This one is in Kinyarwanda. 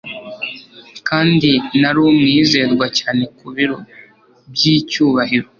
kandi nari umwizerwa cyane ku biro by'icyubahiro